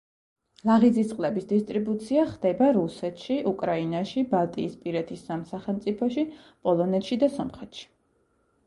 ლაღიძის წყლების დისტრიბუცია ხდება რუსეთში, უკრაინაში, ბალტიისპირეთის სამ სახელმწიფოში, პოლონეთში და სომხეთში.